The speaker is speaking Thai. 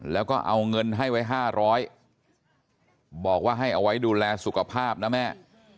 แล้วก็เอาเงินให้ไว้๕๐๐บอกว่าให้เอาไว้ดูแลสุขภาพนะแม่